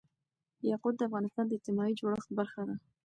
یاقوت د افغانستان د اجتماعي جوړښت برخه ده.